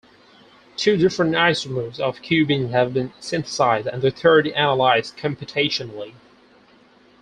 Two different isomers of cubene have been synthesized, and a third analyzed computationally.